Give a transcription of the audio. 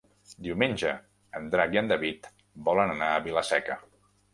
Diumenge en Drac i en David volen anar a Vila-seca.